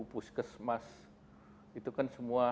puskesmas itu kan semua